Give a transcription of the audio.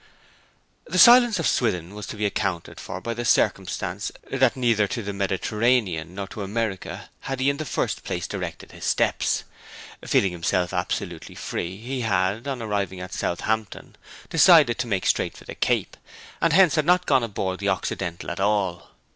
XL The silence of Swithin was to be accounted for by the circumstance that neither to the Mediterranean nor to America had he in the first place directed his steps. Feeling himself absolutely free he had, on arriving at Southampton, decided to make straight for the Cape, and hence had not gone aboard the Occidental at all.